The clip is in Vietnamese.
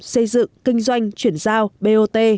xây dựng kinh doanh chuyển giao bot